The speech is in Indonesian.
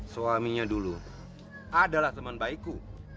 suaminya dulu adalah teman baikku